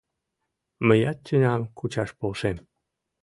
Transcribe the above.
— Мыят тӱням кучаш полшем...